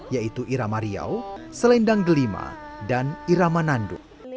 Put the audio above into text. yaitu irama riau selendang delima dan irama nando